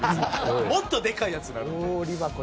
もっとでかいやつなので。